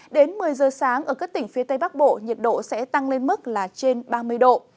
đến một mươi giờ sáng ở các tỉnh phía tây bắc bộ nhiệt độ sẽ tăng lên mức là trên ba mươi độ